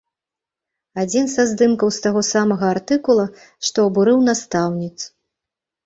Адзін са здымкаў з таго самага артыкула, што абурыў настаўніц.